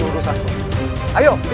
gua balas kalimu